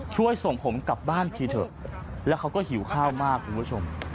ช่วยส่งผมกลับบ้านทีเถอะแล้วเขาก็หิวข้าวมากคุณผู้ชม